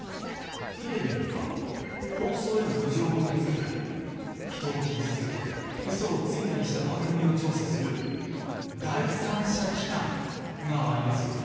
テレビには放送への苦情を受け付けたり人を傷つけたりうそをついたりした番組を調査する第三者機関がありますよね？